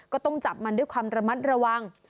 ก็ต้องจับมันด้วยความระมัดระวัง